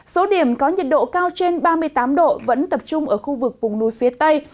số điểm có nhiệt độ cao trên ba mươi tám độ vẫn tập trung ở khu vực vùng núi phía tây